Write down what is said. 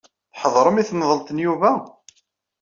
Tḥeḍrem i temḍelt n Yuba?